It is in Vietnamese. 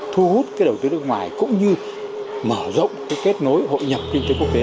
thu hút cái đầu tư nước ngoài cũng như mở rộng cái kết nối hội nhập kinh tế quốc tế